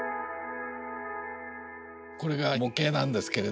これが模型なんですけれども。